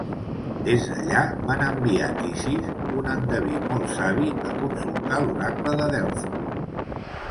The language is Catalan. Des d'allà van enviar Tisis, un endeví molt savi, a consultar l'oracle de Delfos.